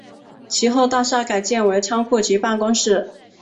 其后大厦改建为仓库及办公室。